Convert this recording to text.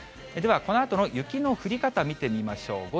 ではこのあとの雪の降り方、見てみましょう。